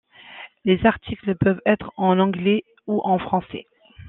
Les articles peuvent être en anglais ou en français.